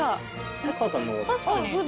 確かに。